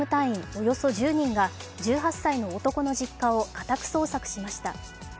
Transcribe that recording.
およそ１０人が１８歳の男の実家を家宅捜索しました。